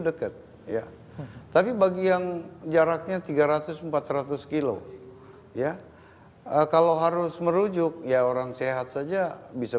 deket ya tapi bagi yang jaraknya tiga ratus empat ratus kilo ya kalau harus merujuk ya orang sehat saja bisa